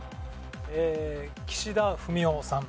えー岸田文雄さん。